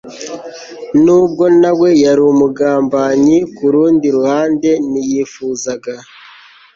nubwo nawe yari umugambanyi kurundi ruhande ntiyifuzaga